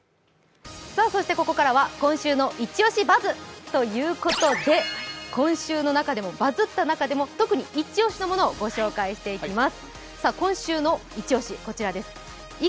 ここからは今週の「イチオシバズ！」ということで、今週の中でもバズった中でも特にイチ押しのものをご紹介していきます。